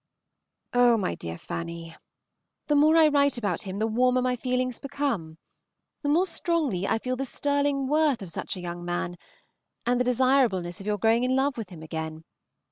Oh, my dear Fanny! the more I write about him the warmer my feelings become, the more strongly I feel the sterling worth of such a young man, and the desirableness of your growing in love with him again.